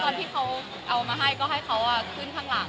ตอนที่เขาเอามาให้ก็ให้เขาขึ้นข้างหลัง